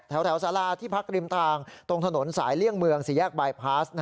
แถวสาราที่พรรคกริมต่างตรงถนนสายเลี่ยงเมือง๔แยกบายพลาส